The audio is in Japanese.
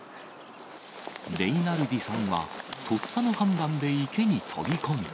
レイナルディさんはとっさの判断で池に飛び込み。